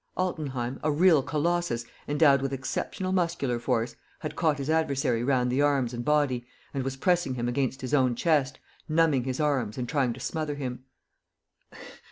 Altenheim, a real colossus, endowed with exceptional muscular force, had caught his adversary round the arms and body and was pressing him against his own chest, numbing his arms and trying to smother him.